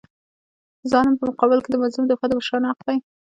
د ظالم په مقابل کي د مظلوم دفاع د مشرانو حق دی.